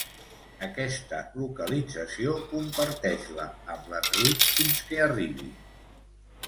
Aquesta localització, comparteix-la amb l'Enric fins que arribi.